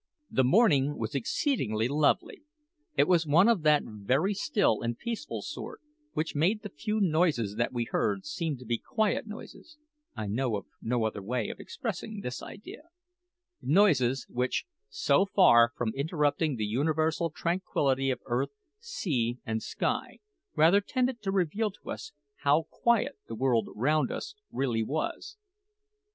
The morning was exceedingly lovely. It was one of that very still and peaceful sort which made the few noises that we heard seem to be quiet noises (I know no other way of expressing this idea) noises which, so far from interrupting the universal tranquillity of earth, sea, and sky, rather tended to reveal to us how quiet the world round us really was.